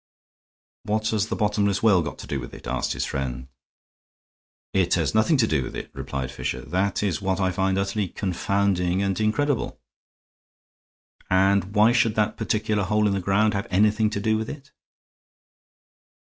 "What has the bottomless well got to do with it?" asked his friend. "It has nothing to do with it," replied Fisher. "That is what I find utterly confounding and incredible." "And why should that particular hole in the ground have anything to do with it?"